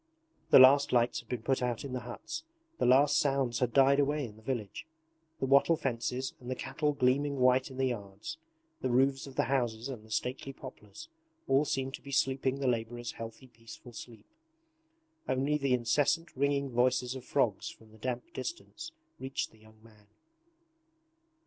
The last lights had been put out in the huts. The last sounds had died away in the village. The wattle fences and the cattle gleaming white in the yards, the roofs of the houses and the stately poplars, all seemed to be sleeping the labourers' healthy peaceful sleep. Only the incessant ringing voices of frogs from the damp distance reached the young man.